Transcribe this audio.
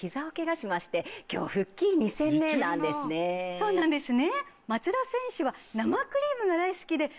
そうなんですね。